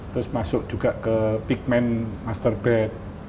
terus masuk juga ke pigment masterbed